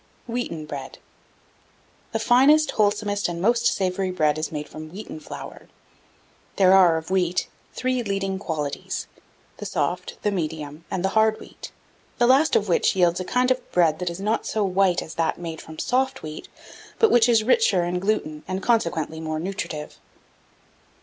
1672. WHEATEN BREAD. The finest, wholesomest, and most savoury bread is made from wheaten flour. There are, of wheat, three leading qualities, the soft, the medium, and the hard wheat; the last of which yields a kind of bread that is not so white as that made from soft wheat, but is richer in gluten, and, consequently, more nutritive.